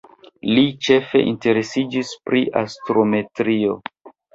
Li ĉefe interesiĝis pri astrometrio.